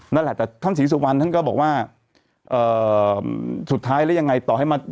นั่นแหละแต่ท่านศรีสุวรรณท่านก็บอกว่าเอ่อสุดท้ายแล้วยังไงต่อให้มา